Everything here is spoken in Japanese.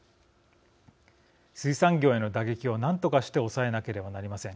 水産業への打撃をなんとかして抑えなければなりません。